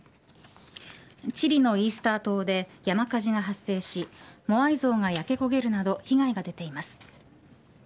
チリのイースター島で山火事が発生しモアイ像が焼け焦げるなど被害が出ています。